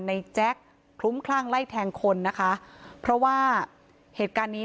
แจ๊คคลุ้มคลั่งไล่แทงคนนะคะเพราะว่าเหตุการณ์นี้